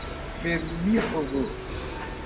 vermífugo